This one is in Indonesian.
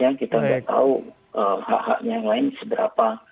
yang kita nggak tahu hak haknya yang lain seberapa